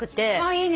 いいね。